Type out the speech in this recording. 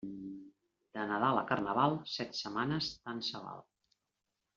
De Nadal a Carnaval, set setmanes tant se val.